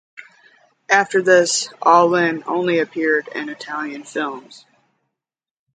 After this, Aulin only appeared in Italian films.